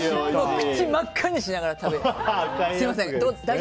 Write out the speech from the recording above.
口を真っ赤にしながら食べてます。